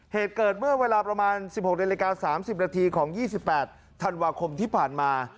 เหตุเกิดเมื่อเวลาประมาณ๑๖นาฬิกา๓๐นาทีของ๒๘ธันวาคมที่ผ่านมา